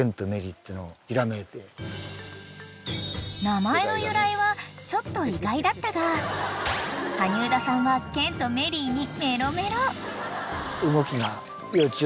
［名前の由来はちょっと意外だったが羽生田さんはケンとメリーに］